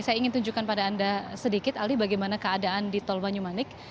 saya ingin tunjukkan pada anda sedikit aldi bagaimana keadaan di tol banyumanik